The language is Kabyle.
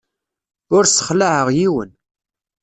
Ur ssexlaɛeɣ yiwen.